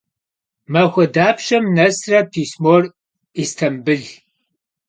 Maxue dapşem nesre pismor Yistambıl?